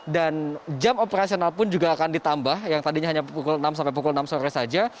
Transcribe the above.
dan jam operasional pun juga akan ditambah yang tadinya hanya pukul enam sampai pukul enam sore saja